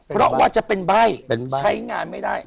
เพราะว่าจะเป็นใบ้ใช้งานไม่ได้